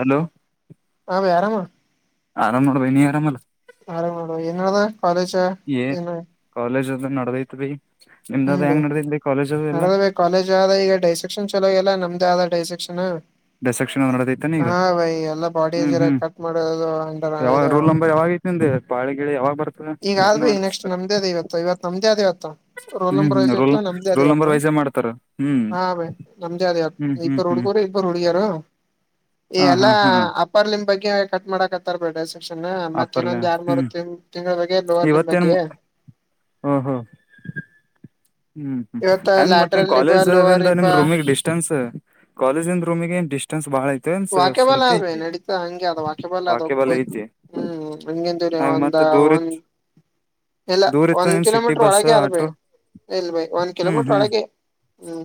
Hello ಆರಾಮ್ ಆರಾಮ ನೋಡು ಬೆ ನೀ ಆರಾಮಲ್ಲ ಆರಾಮ ನೋಡು ಏನ್ ನಡೀತಿದೆ ಕಾಲೇಜ್ ಏ ಏನು ಕಾಲೇಜ್ ಅಲ್ಲ ನಡದೈತ್ವಿ ನಿಮ್ದದ ಹ್ಮ್ ಬೇ ಹೆಂಗ ನಡದಿದ್ವಿ ಕಾಲೇಜ ಅ ಎಲ್ಲಾ ನಡದಬೇ ಕಾಲೇಜ್ ಆದ ಈಗ ಡೈಸೆಕ್ಷನ್ ಚಲೋಲ್ಲ ನಮ್ದ ಆದ ಡೈಸೆಕ್ಷನ್ ಡಿಸೆಕ್ಷನ್ ಅದ್ ನಡದೈತಾನ ಈಗ ಹಾ ಭೈ ಎಲ್ಲ ಬಾಡಿ ಹ್ಮ್ ಜರ ಹ್ಮ್ ಕಟ್ ಮಾಡದು ಯಾವಾಗ ಇ ರೋಲ್ [unintelligible] [unintelligible] ಯಾವಾಗ ಬರ್ ಈಗ ಆದ್ ಭೈ ನೆಕ್ಸ್ಟ್ ನಮ್ದೇ ಅದು ಇವತ್ತು ಇವತ್ತು ನಮ್ದೇ ಆದ್ ಇವತ್ತು ರೋಲ್ ಹ್ಮ್ ನಂಬರ್ ಹ್ಮ್ ವೈಸ್ ರೋಲ್ ಇತ್ತು ನಮ್ದೇ ಅದೇ ರೋಲ್ ನಂಬರ್ ಇವತ್ತು ವೈಸೇ ಮಾಡ್ತಾರ ಹ್ಮ್ ಹಾ ಭ್ ನಮ್ದೇ ಅದ ಹ್ಮ್ ಇವತ್ತು ಹ್ಮ್ ಇಬ್ಬರು ಹ್ಮ್ ಹುಡುಗರು ಇಬ್ಬರು ಹುಡ್ಗಿಯರು ಈ ಹಾ ಹಾ ಎಲ್ಲಾ ಹಾ ಪರ್ಲಿಮ್ ಬಗ್ಗೆ ಕಟ್ ಮಾಡಕ್ತ್ತರ್ಬೇಡ್ರ ಸೆಕ್ಷನ್ ಮತ್ತತ್ ಆಪರ್ಲೆ ಇನ್ನೊಂದ್ ಯಾರ್ ಹ್ಮ್ ಬರುತ್ತೆ ಇವತ್ತೇನ್ ಹ್ಮ ಹ್ಮ್ ಹ್ಮ್ ಹ್ಮ್ ಇವತ್ತ ಹೆಂಗ ಮತ್ತ ಲ್ಯಾಟ್ರಲ್ ಲಿಂಬ್ ಲೋವರ್ ಕಾಲೇಜಿಂದ ನಿಮ್ ಲಿಂಬ್ ರೂಮಿಗೆ ಡಿಸ್ಟೆನ್ಸ್ ಕಾಲೇಜ್ಂದ ರೂಮಿಗೆ ಏನ್ ಡಿಸ್ಟೆನ್ಸ್ ಡಿಸ್ಟೆನ್ಸ್ ಬಹಳ ಐತೆ ಒಂದ ವಾಕ್ಯಬಾಲ್ ಸ್ವಲ್ಪೇ ಆದ್ವಿ ಐತಿ ನಡೀತಾ ಹಂಗೆ ಅದ ವಾಕ್ಯಬಾಲ್ ಅದ್ ವಾಕ್ಬಲ್ ಹೋಗ್ಬೋದು ಐತಿ ಹ್ಮ್ ಹಗೆಂತವ್ರ ಹಾಗ ಒಂದ ಮತ್ತ ದೂರ ಒಂದ್ ಇಲ್ಲ ದೂರ ಇತ್ತ ಒಂದ್ ಏನ್ ಸಿಟಿ ಕಿಲೋಮೀಟರ್ ಬಸ್ ಒಳಗೆ ಆದ ಭೈ ಆಟೋ ಇಲ್ ಬೈ ಒಂದ್ ಹ್ಮ್ ಕಿಲೋಮೀಟ್ರ ಹ್ಮ್ ಒಳಗೆ ಹ್ಮ್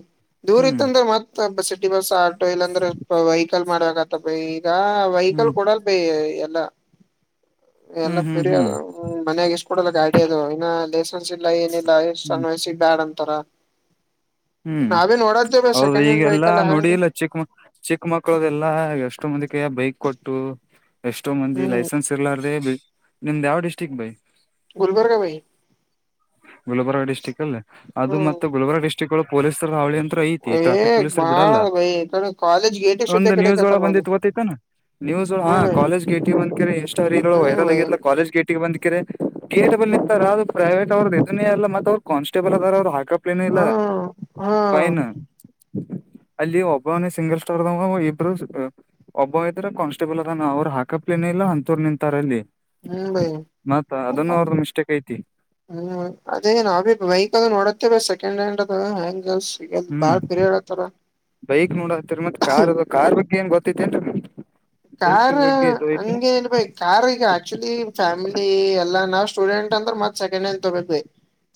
ದೂರ್ ಹ್ಮ್ ಇತ್ತ ಅಂದ್ರೆ ಮತ್ತ ಸಿಟಿ ಬಸ್ ಆಟೋ ಇಲ್ಲಾಂದ್ರೆ ವೆಹಿಕಲ್ ಮಾಡಬೇಕ ಆತ್ತ ಈಗ ವೆಹಿಕಲ್ ಹ್ಮ್ ಕೊಡಲ್ ಬೇ ಎಲ್ಲಾ [inaudible] ಎಲ್ಲ ಪರಿಯ ಹ್ಮ್ ಮನ್ಯಾಗ ಇಸ್ಕಡಲ್ಲ ಗಾಡಿ ಅದು ಇನ್ನ ಲೈಸೆನ್ಸ್ ಇಲ್ಲ ಏನಿಲ್ಲ ಇಷ್ಟು ಹ್ಮ್ ಸಣ್ಣ ವಯಸ್ಸಿಗೇ ಬ್ಯಾಡ ಅಂತ ತರ ಹ್ಮ್ ಅದೆ ನೋಡತಿವಿ ಹೌದು ಸೆಕೆಂಡ ಹಾಂಡ್ ಈಗೆಲ್ಲಾ ವೆಹಕಲ್ ಹಂಗ ನೋಡಿಲ್ಲ ಚಿಕ್ಕ ಚಿಕ್ಕ ಮಕ್ಕಳುದೆಲ್ಲಾ ಎಷ್ಟೋ ಮಂದಿ ಕೈಯ ಬೈಕ್ ಕೊಟ್ಟು ಎಷ್ಟೋ ಮಂದಿ ಹ್ಮ್ ಲೈಸೆನ್ಸ್ ಇರಲಾರದೆ ನಿಮ್ದ್ ಯಾವ ಡಿಸ್ಟ್ರಿಕ್ ಬೈ ಗುಲ್ಬರ್ಗ ಬೈ ಗುಲ್ಬರ್ಗ ಡಿಸ್ಟ್ರಿಕ್ ಅಲ್ಲಿ ಅದು ಹ್ಮ್ ಮತ್ತೆ ಗುಲ್ಬರ್ಗಾ ಡಿಸ್ಟ್ರಿಕ್ ಒಳ ಪೊಲೀಸ್ರ ಹಾವಳಿ ಅಂತ್ರ ಐತೆ ಏ ಟ್ರಾಫಿಕ್ ಪೊಲೀಸರು ಬಾಳ ಬಿಡಲ್ಲ ಬೈ ಈ ಕಡೆ ಕಾಲೇಜ್ ಗೇಟಿಗೆ ಸುದ್ದ ಒಂದು ನ್ಯೂಸ್ ಒಳ ಕಡಕತ್ತಾರ ಬಂದಿ ಬಂದು ಗೋತೈತಾನ ನ್ಯೂಸ್ ಹಾ ಹ್ಮ್ ಕಾಲೇಜ್ ಗೇಟಿ ಬಂದ [unintelligible] ವೈರಲ್ ಬೈ ಆಗಿಲ್ಲ ಕಾಲಜ್ ಗೇಟಿ ಬಂದಕಿರೆ ಕ ಬಲ್ ನಿಂತ ಅದು ಪ್ರೈವೇಟ್ ಅವ್ರದ ಇದನೇ ಅಲ್ಲ ಮತ್ತ ಅವ್ರು ಕಾಸ್ಟೇಬಲ್ ಅದಾರ ಅವ್ರು ಹಾಕ [unintelligible] ಇಲ್ಲ ಹ ಹ ಫೈನ್ ಅಲ್ಲಿ ಒಬ್ಬನ ಸಿಂಗಲ್ ಸ್ಟಾರ್ದಾಗ ಇಬ್ರು ಒಬ್ಬ ಇದ್ರ ಕಾನ್ಸ್ಟೇಬಲ್ ಅದನ ಅವರು ಹಾಕಪ್ಲೇನ ಇಲ್ಲ ಅಂತೂರು ನಿಂತಾರ ಅಲ್ಲಿ ಹ್ಮ್ ಬೈ ಮತ್ತ ಅದನ್ನು ಅವ್ರ ಮಿಸ್ಟೇಕ್ ಐತಿ ಹ್ಮ್ ಅದೇ ನಾವಿ ವೆಹಿಕಲ್ ನೋಡತ್ತೇವೆ ಸೆಕೆಂಡ್ ಹ್ಯಾಂಡ್ ಅದ ಹ್ಯಾಂಗಲ್ಸ್ ಹ್ಮ್ ಬೈಕ್ ನೋಡತ್ತಿರಿ ಮತ್ತ ಕಾರ್ ಕಾರ್ ಬಗ್ಗೆ ಏನ್ ಗೊತ್ತೈತಿನ್ರಿ ಕಾರು ಹಂಗೆ ಹಳ್ಬೇಕು ಕಾರ್ ಈಗ ಆಕ್ಚುಲಿ ಫ್ಯಾಮಿಲಿ ಎಲ್ಲಾ ನಾವ್ ಸ್ಟೂಡೆಂಟ್ ಅಂದ್ರ ಮತ್ ಸೆಕೆಂಡ್ ಹ್ಯಾಂಡ್ ತುಗೋಬೇಕ.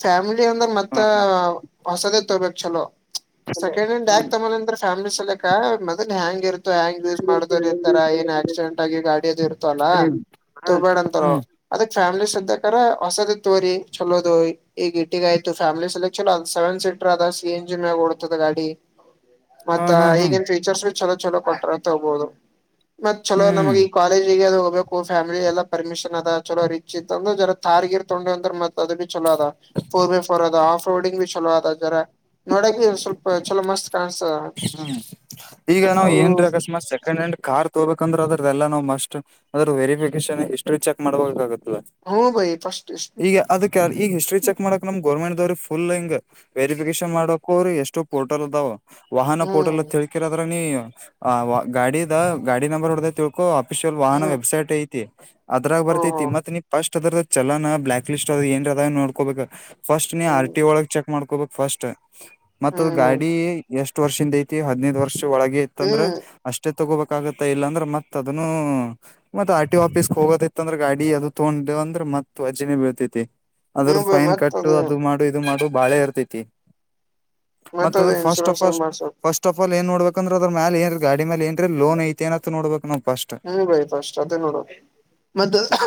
ಫ್ಯಾಮಿಲಿ ಅಂದ್ರ ಮತ್ತ ಹಾ ಹಾ ಹೊಸದ ತೊಬೇಕ ಚಲೋ ಚಲೋ ಸೆಕೆಂಡ್ ಹ್ಯಾಂಡ್ ಯಾಕ ತಮ್ಮನ್ ಅಂದ್ರ ಫ್ಯಾಮ್ಲಿ ಸಲಕ ಮೊದ್ಲ ಹೆಂಗ ಇರ್ತ ಹ್ಯಾಂಗ್ ಯೂಸ್ ಮಾಡತರಿ ಏನ್ ಹ್ಮ್ ಆಕ್ಸಿಡೆಂಟ್ ಆಗಿ ಗಾಡಿಯದು ಇರ್ತಾಲ ಅಲ್ಲಾ ಹ್ಮ್ ತೊಬೇಡಂತ ಹ್ಮ್ ಅದಕ ಫ್ಯಾಮ್ಲಿ ಸದ್ದಕರ ಹೊಸದ ತೋರಿ ಚಲೋದು ಈಗ ಇಟ್ಟಗ ಆಯ್ತು ಫ್ಯಾಮ್ಲಿ ಸಲ ಚಲ ಸೆವೆನ್ ಸೀಟರ್ ಅದ ಸ ಸಿ ಎನ್ಜಿ ಮ್ಯಾಲ ಓಡ್ತದ ಗಾಡಿ [inaudible] ಮತ್ತ ಹಾ ಹಾ ಈಗನ್ ಫೀಚರ್ಸ್ ಚಲೋ ಚಲೋ ಕೊಟ್ರ ಅಂತ ತುಬದು. ಮತ್ ಚಲೋ ಹ್ಮ್ ನಮಗ್ ಈ ಕಾಲೇಜಗ ಅದು ಹೋಗಕ ಫ್ಯಾಮಿಲಿ ಎಲ್ಲ ಪರ್ಮಿಷನ್ ಅದ ಚಲೋ ರಿಚ್ ಈತ ಅಂದ್ರ ಜರ ತಾರ್ಗಿರ್ ತಗೊಂಡು ಅಂದ್ರ ಮ ಚಅದಬಿ ಚಲೋ ಅದ ಬೈಫೋರ್ ಆಫ ರೋಡಂಗ ಚಲೋ ಅದ ಜರಾ ನೋಡಕ ಸ್ವಲ್ಪ ಚಲೋ ಮಸ್ತ್ ಕಾಣಸತದ. ಹ್ಮ ಈಗ ನಾವ್ ಏನ್ರ ಅಕಸ್ಮಾತ್ ಸೆಕೆಂಡ್ ಹ್ಯಾಂಡ್ ಕಾರ್ ತಗೋಬೇಕಂದ್ರೆಅದ್ರದೆಲ್ಲ ನಾವು ಮಸ್ಟ್ ಅದ್ರ ವೆರಿಫಿಕೇಶನ್ ಹಿಸ್ಟ್ರಿ ಚೆಕ್ ಮಾಡ್ಬೇಕ ಆಗತ್ತಾಲ. ಹ್ಮ ಭೈ ಪಷ್ಟ ಇಷ್ಟ ಈಗ ಅದಕ್ಕ ಈಗ ಹಿಸ್ಟ್ರ ಚಕ್ ಮಾಡಕ್ ನಮ್ ಗರ್ಮೆಂಟ್ ದವ್ರ ಫುಲ್ ಹಿಂಗ ವೆರಿಫಿಕೇಶನ್ ಮಾಡಕೋರಿ ಎಷ್ಟು ಪೋರ್ಟಲ್ ಅದಾವ ವಾಹನ ಪೋಟಲ್ ಹ್ಮ್ ಅತ್ತ ಹೇಳ್ಕೆರಿ ಅದ್ರ ನೀ ಆ ಗಾಡಿದ ಗಾಡಿ ನಂಬರ್ ಹೊಡದ ತಿಲ್ ಕೋ ಆಫಿಷಿಯಲ್ ವಾಹನ ಹ್ಮ್ ವಬ್ಸೈಟ್ ಐ ತಿ ಅದ್ರಾ ಓ ಬರ್ತೈತಿ ಹೋ ಮತ್ತ ನೀ ಫಸ್ಟ್ ಅದ್ರ ಚಲನ ಬ್ಲಾಕ್ ಲಿಸ್ಟ್ ಅದ ಏನ್ರ ಅದ ನೋಡ್ಕೋಬೇಕ. ಫಸ್ಟ್ ನೀ ಆರ್ ಹ್ಮ್ ಟಿ ಒಳಗ ಚೆಕ್ ಮಾಡ್ಕೋಬೇಕ ಫಸ್ಟ್ ಮತ್ತ ಅದ ಹ್ಮ್ ಗಾಡಿ ಎಷ್ಟ ವರ್ಷಿಂದ ಐತಿ ಹದ್ನೈದ ವರ್ಷ ಒಳಗೆ ಇತ್ತಂದ್ರ ಹ್ಮ್ ಅಷ್ಟೇ ತಗೋಬೇಕಾಗತ್ತ ಇಲ್ಲಾಂದ್ರೆ ಮತ್ತತ ಅದನ್ನು ಮತ್ತ ಆರ್ಟಿ ಆಫೀಸ್ ಹೋಗೋತ್ತೈತ್ತ ಅಂದ್ರೆ ಗಾಡಿ ಅದು ತಗೊಂಡ್ ಅಂದ್ರೆ ಮತ್ತ ಓಜ್ಜಿನೇ ಬೀಳತತಿ. ಅದ್ರ ಹ್ಮ ಬೈ ಫೈನ್ ಮತ್ ಕಟ್ಟು ಅದು ಮಾಡು ಇದು ಮಾಡು ಬಾಳೆ ಇರ್ತೈತಿ. ಮತ್ತ ಅದ ಫಸ್ ಇನ್ಸೂರೆನ್ ಫಸ್ಟ್ ಆಫ ಆಲ್ ಏ ನೋಡ್ಬೇಕಂದ್ರ ಅದ್ರ ಮೇ ಏನ್ ಗಾಡಿ ಮೇಲೆ ಏನ್ ಟ್ರೆ ಲೋನ್ ಐತೆ ಏನತ ನೋಡ್ಬೇಕ ನಾವ್ ಫಸ್ಟ್ ಹ್ಮ್ ಬೈ ಫಸ್ಟ್ ಅದೇ ನೋಡು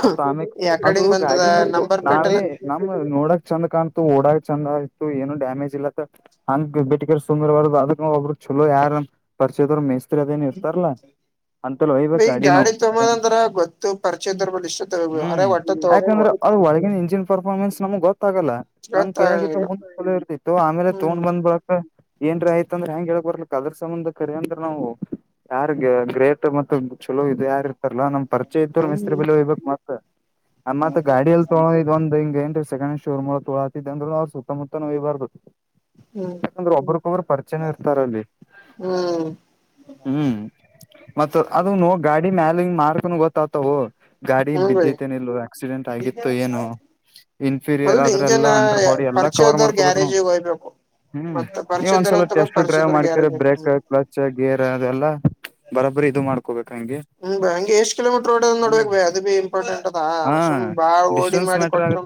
ಮತ್ತ ಆಮೇಕ ಯ ಅದು ಕಡಿಂದ ಬಂದದ ಗಾಡಿನು ತು ನಂಬರ್ ಪ್ಲೇಟ್ ಎಲ್ಲ ನಾವೇ ನಮ್ಮ ನೋಡಕ್ ಚಂದ ಕಾಣ್ತು ಓಡಾಕ್ ಚಂದ ಆಯ್ತು ಏನು ಡ್ಯಾಮೇಜ್ ಇಲ್ಲತ್ತ ಹಂಗ ಬಿಟರ್ ಸುಂದರವಾರದ ಅದಕ್ಕ ಒಬ್ರು ಚಲೋ ಯಾರ ಪರಿಚಯದರು ಮೇಸ್ತ್ರಿ ಅದೇನ್ ಇರ್ತಾರಲ್ಲಾ ಅಂತಲ್ಲ ಒಯ್ಬೇಕ ಬೈ ಗಾಡಿ ನಾವ ತಗೋದಂದ್ರ ಗೊತ್ತು ಪರಿಚಯದರ್ ಬಳಿ ಇಷ್ಟ ತಗೋಬ ಹ್ಮ ಹೊರ ಒಟ್ಟ ತಗೋಕಬ ಯಾಕಂದ್ರ ಅವ ಒಳಗಿನ ಇಂಜಿನ್ ಪರ್ಫಾರ್ಮೆನ್ಸ್ ನಮ್ಗ ಗೊತ್ತಾಗಲ್ಲ ನಮ್ ಕೈಯಗ ಗೊತ್ತಾಗಂಗಿಲ್ಲ ಇರ್ತಿತ್ತ ಆಮೇಲ ತಗೊಂಡ್ ಹ್ಮ್ ಬಂದ್ಳಕ ಏನ್ರ ಆಯ್ತಂದ್ರೆ ಹೆಂಗಗೆ ಹೇಳ ಬರ್ಲಿ ಅದ್ರ ಸಂಬಂಧ ಕರಿ ಅಂದ್ರ ನಾವ ಯಾರ್ ಗ್ರೇಟ್ ಮತ್ತ ಚುಲೋ ಇದು ಯಾರ್ ಇರ್ತಾರಲ್ಲ ನಮ್ ಪರಿಚಯ ಇತ್ತರ ಮಿಸತ್ರಿ ಹ್ಮ್ ಬಲಿ ಒಯ್ಬೇಕ ಮತ್ತ ಆ ಮತ್ ಗಾಡಿಯಲ್ಲಿ ತೊಗೋದ ಒಂದ ಹಿಂಗ ಏನ್ ಕ್ ಶೋರ್ ಮೂ ತೋಗಾತಿದ್ದ ಅಂದ್ರ ಸುತ್ತಮುತ್ತ ನೋಯ್ಬಾರ್ದು ಹ್ಮ್ ರು ಪರಿಚಯನ ಇರ್ತಾರಲ್ಲಿ ಹ್ಮ್ ಹ್ಮ ಮತ್ತ ಅದು ನು ಗಾಡಿ ಮ್ಯಾಲ ಮಾರ್ಕೊಂಡ ಗೊತ್ತ ಆತವು ಗಾಡಿ ಹ್ಮ್ ಬೈ ಬಿದ್ದತೆೇನ ಇಲ್ಲ ಆಕ್ಸಿಡೆಂಟ್ ಆಗಿತ್ತ ಏನು ಇನ್ಫೀರಿಯರ್ ಮೊದಲು ಆದ್ರ ಇಂಜನ್ ಎಲ್ಲಾ ಅಂಡರ್ ಬಾಡಿ ಎಲ್ಲಾ ಕವರ್ ಪರಿಚಯದವ್ರ ಮಾಡ್ಕೊಬೇಕ ನಾವ ಗ್ಯಾರೇಜಿಗೆ ಹೋಯ್ಬೇಕು ಹ್ಮ ಮತ್ತ ನೀವ ಪರಿಚಯದವ್ರ ಒಂದ್ಸಲ ಅಂತ ಟೆಸ್ಟ್ ಡ್ರೈವ್ ಪರಿಚಯದವ್ರ ಮಾಡ್ಕ್ರ ಗ್ಯಾರೇಜ್ ಬ್ರೇಕ್ ಕ್ಲಚ್ ಗೇರ್ ಅದೆಲ್ಲ ಬರಬ್ರಿ ಇದು ಮಾಡ್ಕೋಬೇಕ ಹಂಗೆ ಹ್ಮ ಹಂಗೆ ಎಷ್ಟ್ ಕಿಲೋಮೀಟರ್ ಓಡದ ಹ್ಮ್ ನೋಡ್ಬೇಕ ಬ ಅದುಬಿ ಇಂಪಾರ್ಟೆಂಟ್ ಅದಾ ಹಾ ಸುಮ್ಮ ಬಾಳ ಓಡಿ ಡಿಸ್ಟೆನ್ಸ್ ಮಾಡ ಮ್ಯಾಟ್ರ ಕೊಟ್ರ ಆಗತ್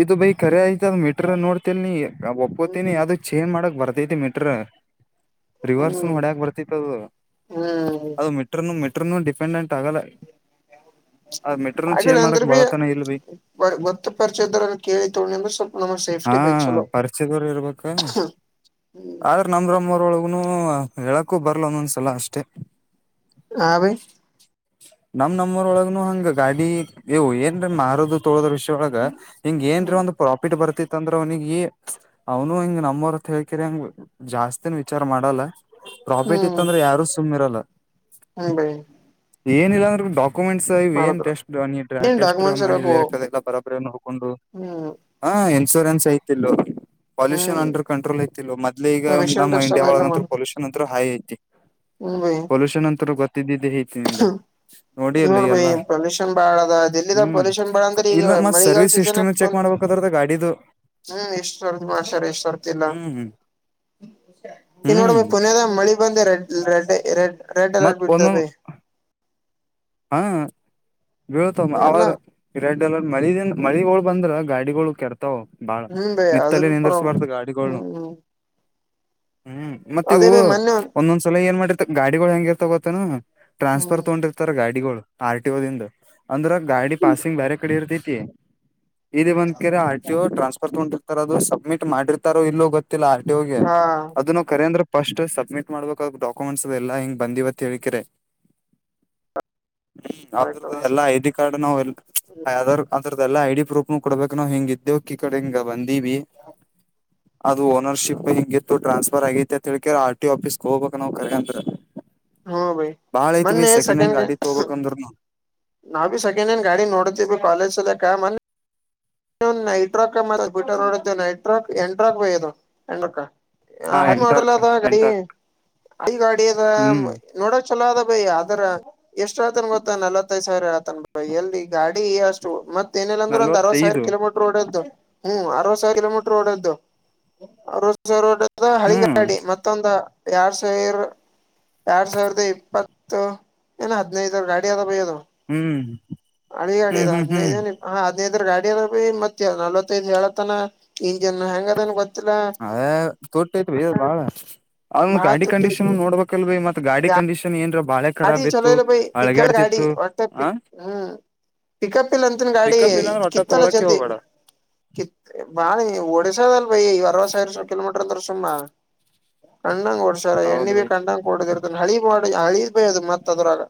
ಇದು ಬೈ ಖರಿ ಆಯ್ತ ಅದು ಮೀಟರ ನೋಡ್ತಿ ನೀ ಒಪ್ಪತೀನಿ ಹ್ಮ್ ಅದು ಚೇಂಜ್ ಮಾಡಕ ಬರ್ತೈತಿ ಮೀಟ್ರ ರಿವರ್ಸ್ ಹ್ಮ್ ಹೊಡ್ಯಕ್ ಬರ್ತ ಹ್ಮ್ ಅದು ಮೆಟ್ರನು ಮೆಟ್ರನು ಡಿಪೆಂಡೆಂಟ್ ಆಗಲ್ಲ ಅದ ಮೆಟ್ರನು ಚೇಜ್ ಆಗಲ್ಲ ಅಂದ್ರ ಮಾಡಕ್ ಬಿ ಬಳತನ ಇಲ್ವಿ ಗೊತ್ತ ಪರಿಚಯದರ ಕೇಳಿ ತೊ ಅಂದ್ರೆ ಸ್ವಲ್ಪ ನಮಗ್ ಸೇಫ್ಟಿ ಬೈ ಚಲೋ ಚ್ಚಗವರು ಇರ್ಬೇಕಾ ಹ್ಮ್ ಆದ್ರೆ ನಮ್ರಮ್ಮರೊಳಗನು ಹೇಳಕೂ ಬರ್ಲ ಒಂದೊಂದ್ಸಲ ಅಷ್ಟೇ ಹಾ ಭೈ ನಮ್ ನಮ್ಮರ್ ಒಳಗನು ಹಂಗ ಗಾಡಿ ಇವು ಏನ್ರ ಮಾರೋದು ತೋಳದ್ರ ವಿಷಯ ಒಳಗೆ ಹಿಂಗ ಏನ್ರೀ ಹ್ಮ್ ಒಂದು ಪ್ರಾಫಿಟ್ ಬರ್ತಿತ್ತ ಅಂದ್ರೆ ಅವ್ನಿಗೆ ಅವ್ನು ಹಿಂಗ ನಮ್ಮ್ ಹೊರತ ಕಿರಂಗ ಜಾಸ್ತಿನ ವಿಚಾರ ಮಾಡಲ್ಲ ಪ್ರಾಫಿಟ್ ಇತ್ತ ಹ್ಮ್ ಅಂದ್ರೆ ಯಾರು ಸುಮ್ಮ್ ಇರಲ್ಲ ಹ್ಮ್ ಬೈ ಏನಿಲ್ಲ ಅಂದ್ರ ಡಾಕ್ಯುಮೆಂಟ್ಸ್ ಇವ್ ಏನ್ ಮಾಡಿದ್ರ ಟೆಸ್ಟ್ ನೀ ಏನ್ ಟೆಸ್ಟ್ ಡಾಕ್ಯುಮೆಂಟ್ಸ್ ಮಾಡಿ ಇರಬೇಕು ಬೇರೆ ಕ ಎಲ್ಲಾ ಬರಬರಿ ನೋಡ್ಕೊಂಡು ಹ್ಮ್ ಹಾ ಇನ್ಸೂರೆನ್ಸ್ ಐತಿ ಪೊಲ್ಯೂಷನ್ ಹ್ಮ್ ಅಂಡರ್ ಕಂಟ್ರೋಲ್ ಐ ಮೊದ್ಲಿ ಈಗ ಪರ್ಮಿಷನ್ ನಮ್ಮ ಟೆಸ್ಟ್ ಇಂಡಿಯಾ ಅದ ಒಳಗಂತೂ ಪೊಲ್ಯೂಷನ್ ಅಂತೂ ಹೈ ಐತಿ ಹ್ಮ ಭೈ ಸಲ್ಷನ್ ಅಂತರ ಗೊತ್ತಿದ್ದ ತಿ ನಿಗೆ ನೋಡಿಯಲ್ಲ ನೋಡ್ ಇ ಬೈ ಎಲ್ಲ ಪೊಲ್ಯೂಷನ್ ಬಾಳ ಅದ ದಿಲ್ಲಿದಾಗ ಹ್ಮ್ ಪೊಲ್ಯೂಷನ್ ಬಾಳ ಅಂದ್ರೆ ಈಗ ಇಲ್ಲ ಮತ್ ಮಳಿಗಾಲ ಸರ್ವಿಸ್ ಸೀಸನ್ ಹಿಸ್ಟ್ರಿನ ಚೆಕ್ ಮಾಡ್ಬೇಕ ಗಾಡಿದು ಹ್ಮ್ ಎಷ್ಟುರ್ ಮಾಡಷರ್ ಎಷ್ಟರ್ ಹ್ಮ್ ಹ್ಮ್ ಇನ್ ಹ್ಮ್ ನೋಡಮ್ಮ ಪುನದ ಮಳಿ ಬಂದ ರೆಡ್ ರೆಡ್ ರೆಡ್ ರೆಡ್ ಮತ್ ಅಲರ್ಟ್ ಬಿಡ್ತಾವ ಒಂದೊಂದ್ ಹಾ ಬೀಳ್ತಮ್ಮ ಎಲ್ಲ ಅವರ ರೆಡ್ ಅಲರ್ಟ್ ಮಳಿಂದ ಮಳಿಗಳು ಬಂದ್ರ ಗಾಡಿಗಳು ಕೆಡತ ಬಾಳ ಹ್ಮ್ ಬೈ ಅದು ನಿತ್ತಲ್ಲಿ ಬಿ ಪ್ರಾಬ್ಲಮ್ ನಿಂದರ್ಸಬಾರತು ಗಾಡಿನು ಹ್ಮ್ ಹ್ಮ್ ಮತ್ತೆ ಇವು ಅದೇ ಬೈ ಮೊನ್ನೆ ಒಂದೊಂದ್ಸಲ ಏನ್ ಮಾಡಿರ್ತ ಗಾಡಿಗಳು ಹೆಂಗಿರ್ತ ಗೊತ್ತೇನ ಹ್ಮ್ ಟ್ರಾನ್ಸ್ಫರ್ ತಗೊಂಡು ಇತರ್ ಗಾಡಿಗಳು ಆರ್ ಟಿ ದಿಂದ ಅಂದ್ರ ಗಾಡಿ ಪಾಸಿಂಗ್ ಬೇರೆ ಕಡೆ ಇರ್ತತಿ ಇಲ್ಲಿ ಬಂದ್ ಕೆರೆ ಆರ್ಟಿ ಟ್ರಾನ್ಸ್ಫರ್ ತಗೊಂಡಿರ್ತಾರ ಅದು ಸಬ್ಮಿಟ್ ಮಾಡಿರ್ತಾರ ಇಲ್ಲೋ ಗೊತ್ತಿಲ್ಲ ಆ ಹೋಗ ಹಾ ಅದು ನಾವು ಕರೆ ಅಂದ್ರ ಫಸ್ಟ್ ಸಬ್ಮಿಟ್ ಮಾಡ್ಬೇಕ ಡಾಕ್ಯುಮೆಂಟ್ಸ್ ಅ ಎಲ್ಲಾ ಹಿಂಗ ಬಂದಿವವತ್ ಹೇ ಹ್ಮ್ ಆಯ್ತು ಅ್ರದ್ದ ಎಲ್ಲಾ ಐ ಡಿ ಕಾರ್ಡ್ ನಾವವು ಎ ಯಾದ್ ಅಂಥದ್ದಲ್ಲ ಐ ಡಿ ಪ್ರೂಫ ನ ಕೊಡ್ಬೇಕಕ್ ನಾವವು ಹಿಂಗ ಇದ್ದೇವುಕ್ಕಿ ಕಡೆ ಹಿಂಗ ಬಂದಿವವಿ ಅದು ಓನರ್ಶಿಪ್ ಹಿತ್ತು ಟ್ರಾನ್ಸ್ಫರ್ ಆಗಿತಿ ಅಂತ ಹೇಳಳ್ಕ ಆರ್ಟಿ ಫೀಸ್ಗೆ ಹೋಗಬೇಕ ನವು ಕರ್ಗಂತ ಹಾ ಭೈ ಬಾಳಐತಿ ಭೈ ಮೊನ್ನೆ ಸೆಕಂಡ್ ಹೆಂಗ್ ಗಾಡಿ ತಗೋ ಬೇಕಂದ್ರೂನು ನಾವು ಬಿ ಸೆಂಡ ಏನ್ ಗಾಡಿ ನೋಡ್ತೀವಿ ಕಾಲೇಜ ಸಲ್ಯಾಕ ನೈಟ್ರೋಕ ಮ ಬಿಟ ನೋಡ ನೈಟ್ರೋಕ್ ಎಂಡಟ್ರಾಕ್ ಬಯ ಅದು ಎಂಡ್ರಕ್ಕ ಹಾ ಎಂಟಾರ್ ಮಾಡಲ್ ಅದ ಗಾಡಿ ಎಂಟಾರ್ ಗಾಡಿ ಅದ ಹ್ಮ್ ನೋಡೋ ಚಲೋ ಅದ ಭೈ ಆದ್ರ ಎಷ್ಟು ಆತನ್ ಗೊತ್ತಾ ನಲವತ್ತೈ್ ಸಾವಿರ ಆತನ್ ಎಲ್ಲಿ ಗಾಡಿ ಅಷ್ಟು ಮತ್ ಏನಿಲ್ಲ ಅಂದ್ರು ಒಂದ್ ಅರವತ್ತು ಸಾವಿರ ನಲ್ವತ್ತೈದು ಹ್ಮ್ ಅರವತ್ತು ಸಾವಿರ ಕಿಲೋಮೀಟರ್ ಓಡೈತ್ ಅರವತ ಸಾವಿರ ಅದ ಹ್ಮ್ ಹಳಿಗಾಡಿ ಮತ್ತೊಂದು ಎರಡ್ ಸಾವಿರ ಎರಡ್ ಸಾವಿರದ ಇಪ್ಪತ್ತು ಏನ ಹದ್ನೈದ್ರ ಗಾಡಿ ಅದ ಬೈ ಅದು ಹ್ಮ್ ಅಡಿ ಹ್ಮ್ ಗಡಿದ ಹ್ಮ್ ಹ್ಮ್ ಹದಿನೈದ ಹ್ಮ್ ಏನ್ ಹಾ ಹಡ್ನೈದ ಗಾಡಿ ಅದ ಭೈ ಮತ್ತೆ ನಲ್ವತ್ತೈದ್ ಹೇಳತಾನ. ಅದೇ ತುಟ್ಟಿ ಬೀ ಅದ ಭಾಳ ಅದ ಬಾಳ ಗಾಡಿ ಕಂಡೀಷನ್ ತುಟ್ಟಿರ್ತದ ನೋಡ್ಬೇಕ ಅಲ್ಬೆ ಮತ್ ಗಾಡಿ ಕಂಡೀಷನ್ ಏನ್ರ ಬಾಳ ಗಾಡಿ ಚಲೋ ಇದೆ ಭೈ ಪಿಕಲ್ ಗಾಡಿ ಒಟ್ಟ ಆ ಪಿಕಲ್ ಹ್ಮ್. ಪಿಕಪ್ ಇಲ್ಲ ಅಂತನ ಗಾಡಿ ಪಿಕಪ್ ಇಲ್ಲಾಂದ್ರೆ ಒಟ್ಟ ಕಿತ್ತಲ್ಲ ತೊಳಕೆ ಜಲ್ದಿ. ಹೋಗ್ಬೇಡ ಕಿತ್ತ ಭಾಳ ಒಡಿಶಾದಾ ಅಲ್ಲಭೈ ಈಗ ಅರವತ್ತ ಸಾವಿರ ಕಿಲೋ ಮೀಟರ್ ಅಂದ ಸುಮ್ಮ ಕಣ್ಣಂಗ ಓಡ್ಸ್ಯಾರ ಎಣ್ಣಿ ಹೌದು ಬೀ ಬೈ ಕಂಡ್ಣಂಗ ಕೊಡದಿರ್ತ ಹಳಿ ಮಾಡ ಹಳಿ ಬೈ ಅದು ಮತ್ ಅದ್ರಾಗ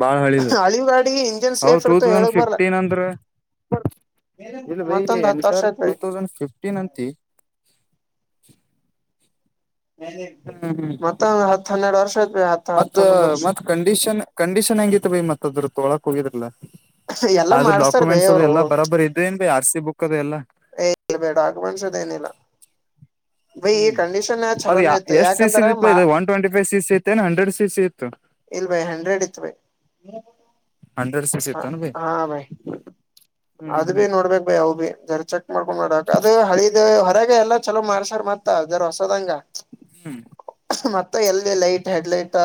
ಬಾಳ ಹಳಿದ ಹಳಿ ಗಾಡಿ ಇಂಜಿನ್ ಹ ಸೇಫ್ ಟೂ ಇರ್ತ ತೌಸಂಡ್ ಹೇಳಕ್ ಬರ್ಲ ಫಿಫ್ಟೀನ್ ಅಂದ್ರ - ಇಲ್ ಬೈ ಮತ್ತೊಂದ್ ಎಂಟ ಹತ್ ವರ್ಷ ಟಾರ್ಕ್ ಟೂ ಆಯ್ತ್ ತೌಸಂಡ್ ಫಿಫ್ಟೀನ್ ಅಂತಿ ಹ್ಮ್ ಹ್ಮ್ ಮತ್ತೊಂದು ಹತ್ತು ಹನ್ನೆರಡು ವರ್ಷ ಆಯತ್ ಹತ್ ಮತ್ ಹತ್ತ ಹನ್ನೊಂದ್ ವರ್ಷ ಮತ್ ಕಂಡೀಷನ್ ಕಂಡೀಷನ್ ಹೆಂಗಿತ್ತ ಭೈ ಮತ್ತ ಅದ್ರದ ತೊಗೊಲಾಕ್ ಹೋಗ್ರಿದೆಲ್ಲ ಎಲ್ಲಾ ಆದ್ರ ಮಾಡ್ಸ್ತಾರ ಬೇ ಡಾಕ್ಯುಮೆಂಟ್ಸ್ ಅದು ಅವ್ರು ಎಲ್ಲ ಬರಾಬರಿ ಆಯ್ತ್ ಏನ್ರಿ ಆರ್ ಸಿ ಬುಕ್ ಅದು ಎಲ್ಲಾ. ಏ ಬೇಡ ಅಡ್ವಾನ್ಸ್ ಅದೇನಿಲ್ಲ. ಹ್ಮ್ ಅದ ಯಾ ಚಲೋನೇ ಇತ್ತು ಎಷ್ಟ್ ಸಿ ಸಿ ಯಾಕಂದ್ರ ದ ಇತ್ತ ಬೈ ಮಾ one twenty five C C ಇತ್ತೇನ ಹಂಡ್ರೆಡ್ ಸಿ ಸಿ ಇತ್ತ? ಇಲ್ ಭೈ ಹಂಡ್ರೆಡ್ ಇತ್ತ ಭೈ. ಹಂಡ್ರೆಡ್ ಸಿ ಸಿ ಇತ್ತೇನ ಭೈ. ಅದ ಭಿ ನೋಡ್ಬೇಕ್ ಭೈ ಅವುಬಿ ಜರ ಚೆಕ್ ಮಾಡ್ಕೊಂಡ್ ನೋಡಾಕ್ ಅದು ಹಳಿದ ಇದ ಹೊರಗ ಎಲ್ಲಾ ಚಲೋ ಮಾಡ್ಸ್ಯಾರ್ ಮತ್ತ ಜರ್ ಹೊಸದಂಗ. ಹ್ಮ್ ಮತ್ತ ಎಲ್ಲ್ಡಿ ಲೈಟ್ ಹೆಡ್ ಲೈಟ್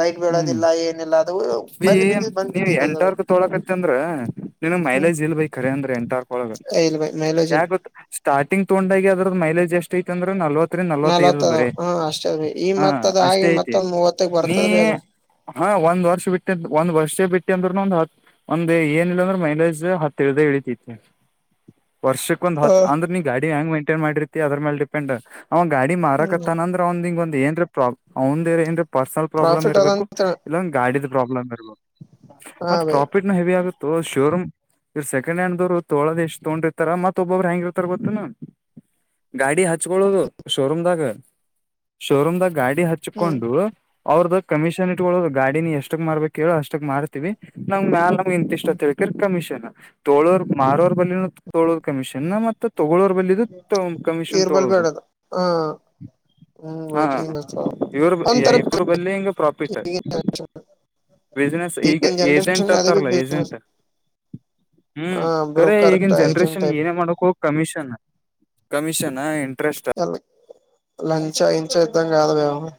ಲೈಟ್ ಹ್ಮ್ ಬೀಳದಿಲ್ಲ ಏನಿಲ್ಲ ಅದು ಬಂದ್ ಬಿದ್ದಿದ್ದ ಬಂದ್ ಬಿದ್ದಿದ್ದ ಅದ ಭೈ. ತೊಗಳಕತ್ತಿ ಅಂದ್ರ ನಿನಗ ಮೈಲೇಜ್ ಇಲ್ ಬೈ ಖರೆ ಅಂದ್ರ ಎಂಟಾರ್ಕ್ಕೊಳಗ ಇಲ್ ಬೈ ಮೈಲೇಜ್ ಇಲ್ ಯಾಕ್ ಗೊತ್ತ ಸ್ಟಾರ್ಟಿಂಗ ತಗೊಂಡಾಗೆ ಅದರದ ಮೈಲೆಜ ಎಷ್ಟ ಐತಿ ಅಂದ್ರ ನಲ್ವತ್ ರಿಂದ ನವತ್ತೈದ ನಲ್ವತ್ತ ಅದ ಬರೆ ಹ ಅಷ್ಟೇ ರೀ ಈ ಹಾ ಮತ್ ಅದ ಆಗಿ ಅಷ್ಟೇ ಐತಿ ಮತ್ತೊಂದ್ ಮೂವತ್ತಕ್ ನೀ ಬರ್ತದ ಬಿ ಅದು ಹಾ ಒಂದ್ ವರ್ಷ ಬಿಟ್ಟ ಅತ್ತ ಒಂದ ವರ್ಷ ಬಿಟ್ಟಿ ಅಂದ್ರರುನು ಒಂದ್ ಹತ್ ಒಂದ ಏನ ಇಲ್ಲ ಅಂದ್ರೆ ಮೈಲೇಜ್ ಹತ್ತ ಇಳ್ದ್ ಇಳಿತೈತಿ ವರ್ಷಕ್ ಒಂದ್ ಹಾ ಹತ್ ಅಂದ್ರ ನೀ ಗಾಡಿ ಹೆಂಗ ಮೈಂಟನ್ ಮಾಡಿತಿ ಅದ್ರ ಮೇಲೆ ಡಿಪೆಂಡ್ ಅವ ಗಾಡಿ ಹ್ಮ್ ಮಾರಕತ್ತಾನ ಅಂದ್ರ ಅವಂದೀಗ ಒಂದ ಏನರೆ ಪ್ರಾಬ್ಲಮ್ ಅವಂದೇರೆ ಏನರೆ ಪರ್ಸನಲ್ ಪ್ರಾಬ್ಲಮ್ ಇರ್ಬೇಕ [inaudible] ಇಲ್ಲ ಒಂದ್ ಗಾಡಿದ ಪ್ರಾಬ್ಲಮ್ ಇರ್ಬೆಕ್ ಹಾ ಮತ್ತ ಬೈ ಪ್ರಾಫಿಟನು ಹೆವಿ ಆಗುತ್ತೋ ಶೋರೂಮ್ ಇ ಸೆಕೆಂಡ್ ಹ್ಯಾಂಡ್ ದೋರು ತೋಳದ ಎಷ್ಟ್ ತಗೊಂಡಿರ್ತಾರ ಮತ್ತ ಒಬ್ಬಬ್ರು ಹೆಂಗ ಇರ್ತಾರ ಗೊತ್ತೇನ ಗಾಡಿ [inaudible] ಹಚ್ಕೋಳೋದು ಶೋರೂಮದಾಗ ಶೋರೂಮದಾಗ ಗಾಡಿ ಹ್ಮ್ ಹಚ್ಕೊಂಡು ಅವ್ರದ ಕಮಿಷನ್ ಏನ್ ಇಟ್ಕೊಳ್ಳೋದು ಗಾಡಿನ ನೀ ಎಷ್ಟಕ್ ಮಾರ್ಬೇಕ ಹೇಳ ಅಷ್ಟಕ್ ಮಾರ್ತೀವಿ ನಮ್ಗ ಮ್ಯಾಲ ಇಂತ ಇಷ್ಟತ ಹ್ಮ್ ಅಂತ ಹೇಳಕೇರಿ ಕಮಿಷನ್ ತೋಳೋರ್ ಮಾರೋರ್ ಬಲ್ಲಿನು ತೋಳೋರ್ ಕಮಿಷನ್ ಮತ್ತ ತೊಗೊಳೋರ ಬಲ್ಲಿನು ತೊ ಕಮಿಷನ್ ಇವ್ರ ಬಲ್ ತೊಗಳೋದು. ಬೇಡದು ಹಾ ಹ್ಮ್ ಹಾ ಹ ಬೈಕಿಂಗ್ ಇವ್ರ ಒಂತರ ಇಬ್ಬರ ಬಲ್ಲಿ ಹಿಂಗ ಪ್ರಾಫಿಟ್. ಬಿಸಿನೆಸ್ ಈಗ ಈಗಿನ ಏಜೆಂಟ್ ಜನ್ರೇಷನ್ ಅದೇ ಬಿ ಅಂತಾರಲ್ಲ ಬಿಸ್ನೆಸ್ ಏಜೆಂಟ್ ಹ ಹ್ಮ್ ಕರೆ ಬ್ರೋಕರ್ ಈಗಿನ ಏಜೆಂಟ್ ಜನ್ರೇಷನ್ ಟೈಪ್ ಏನೇ ಮಾಡಕ್ ಹೋಗ ಕಮಿಷನ್ ಕಮಿಷನ್ ಇಂಟ್ರೆಸ್ಟ್ ಎಲ್ಲ ಲಂಚ್ ಗಿಂಚ್ ಇದ್ದಂಗ ಆದ ವ್ಯವಹಾರ.